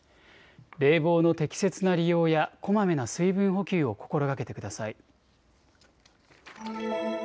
冷房の適切な利用やこまめな水分補給を心がけてください。